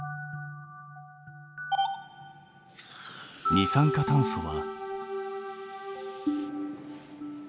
二酸化炭素は？